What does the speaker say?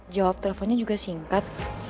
jawab telponnya juga singkat